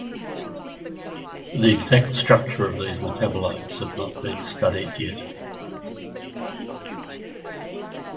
The exact structure of these metabolites have not been studied yet.